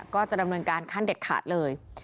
ก็จะดำเนินการขั้นเด็ดขาดเลย